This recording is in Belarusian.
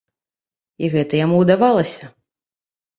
І гэта яму ўдавалася.